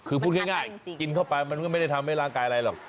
คือพูดง่ายกินเข้าไปมันก็ไม่ได้ทำให้ร่างกายอะไรหรอก